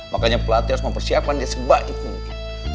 makanya pelatih harus mempersiapkan dia sebaik mungkin